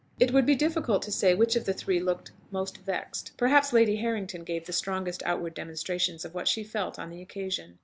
It would be difficult to say which of the three looked most vexed: perhaps Lady Harrington gave the strongest outward demonstrations of what she felt on the occasion.